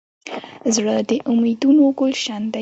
زړه د امیدونو ګلشن دی.